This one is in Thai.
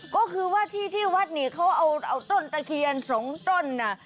ก็คือว่าที่ที่วัดนี่เขาเอาต้นตะเคียนสองต้นน่ะ